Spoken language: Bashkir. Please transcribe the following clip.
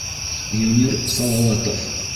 Юнир САЛАУАТОВ.